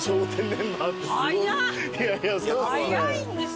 早っ早いんですよ。